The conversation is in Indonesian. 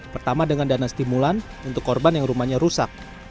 pertama dengan dana stimulan untuk korban yang rumahnya rusak